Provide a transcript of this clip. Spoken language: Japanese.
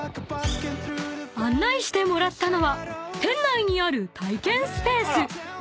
［案内してもらったのは店内にある体験スペース］